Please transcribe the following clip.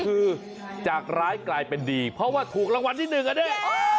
ก็คือจากร้ายกลายเป็นดีเพราะว่าถูกรางวัลที่๑อันเนี่ย